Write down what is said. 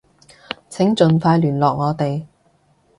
請盡快聯絡我哋